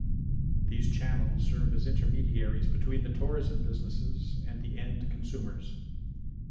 These channels serve as intermediaries between the tourism businesses and the end consumers.